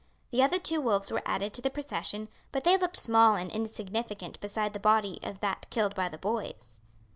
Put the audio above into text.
The other two wolves were added to the procession, but they looked small and insignificant beside the body of that killed by the boys.